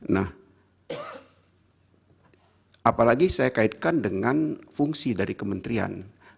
nah apalagi saya kaitkan dengan fungsi dari kementerian